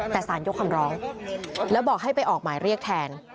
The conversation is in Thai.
แต่สารยกคำร้องแล้วบอกให้ไปออกหมายเรียกแทน